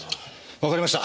わかりました。